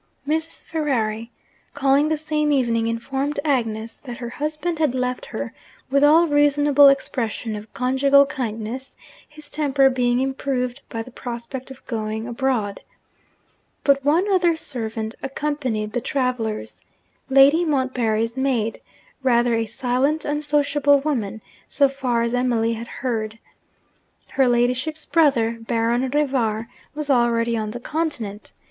Mrs. Ferrari, calling the same evening, informed Agnes that her husband had left her with all reasonable expression of conjugal kindness; his temper being improved by the prospect of going abroad. But one other servant accompanied the travellers Lady Montbarry's maid, rather a silent, unsociable woman, so far as Emily had heard. Her ladyship's brother, Baron Rivar, was already on the Continent.